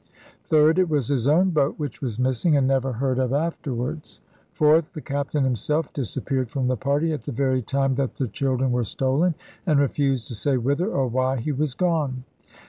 Third, it was his own boat which was missing, and never heard of afterwards. Fourth, the Captain himself disappeared from the party at the very time that the children were stolen, and refused to say whither, or why, he was gone.